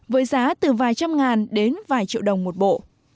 với giá từ vài trăm ngàn đến vài triệu đồng một bộ